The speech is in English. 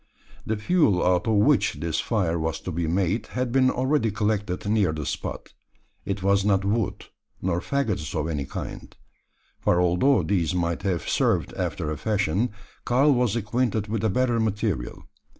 The fuel out of which this fire was to be made had been already collected near the spot. It was not wood, nor faggots of any kind; for although these might have served after a fashion, Karl was acquainted with a better material.